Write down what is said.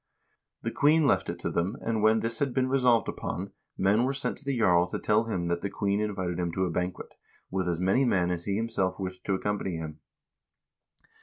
The queen left it to them ; and when this had been resolved upon, men were sent to the jarl to tell him that the queen invited him to a banquet, with as many men as he himself wished to accompany him.